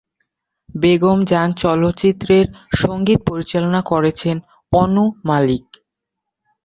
বেগম জান চলচ্চিত্রের সঙ্গীত পরিচালনা করেছেন অনু মালিক।